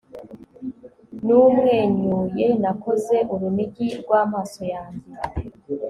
Numwenyuye Nakoze urunigi rwamaso yanjye